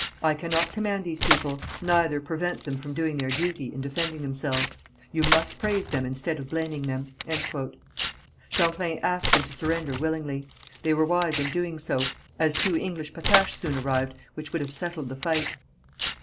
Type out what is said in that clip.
I cannot command these people, neither prevent them from doing their duty, in defending themselves. You must praise them instead of blaming them." Champlain asked them to surrender willingly. They were wise in doing so, as two English pataches soon arrived which would have settled the fight.